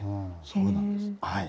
そうなんです。